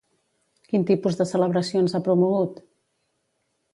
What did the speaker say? Quin tipus de celebracions ha promogut?